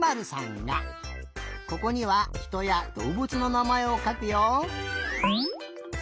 ここには「ひとやどうぶつ」のなまえをかくよ。